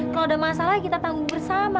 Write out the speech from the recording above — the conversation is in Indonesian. kalau ada masalah kita tanggung bersama